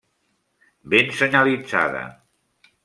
Ben senyalitzada.